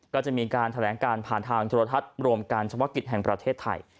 ก็จะมีการแถลงการผ่านทางโทรทัศน์รวมการเฉพาะกิจแห่งประเทศไทย